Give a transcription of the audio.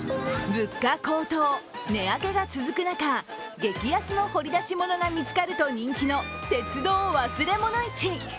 物価高騰、値上げが続く中激安の掘り出し物が見つかると人気の鉄道忘れ物市。